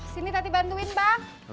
sini tati bantuin bang